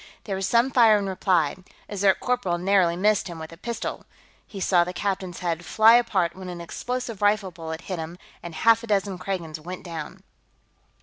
There was some fire in reply; a Zirk corporal narrowly missed him with a pistol, he saw the captain's head fly apart when an explosive rifle bullet hit him, and half a dozen Kragans went down.